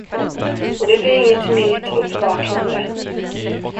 Och det blir inget milt uppvaknande.